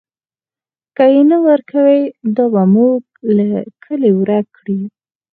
که یې نه ورکوئ، دا به موږ له کلي ورک کړي.